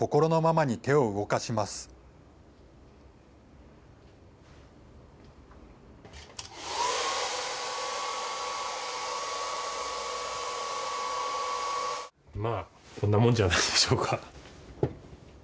まあ、こんなもんじゃないでしょうか。